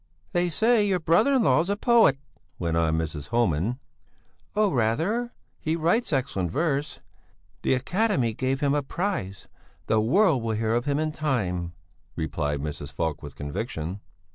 "They say your brother in law's a poet," went on Mrs. Homan. "Oh, rather! He writes excellent verse! The academy gave him a prize; the world will hear of him in time," replied Mrs. Falk with conviction.